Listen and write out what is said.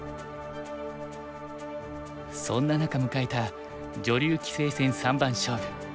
そんな中迎えた女流棋聖戦三番勝負。